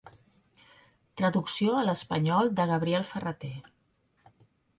Traducció a l'espanyol de Gabriel Ferrater.